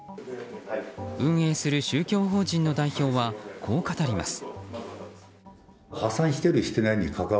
運営する宗教法人の代表はこう語ります。